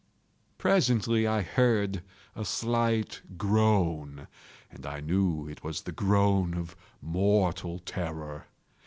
Presently I heard a slight groan, and I knew it was the groan of mortal terror.